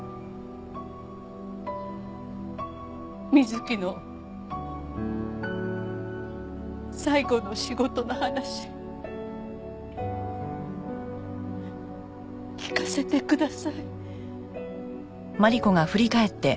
瑞希の最後の仕事の話聞かせてください。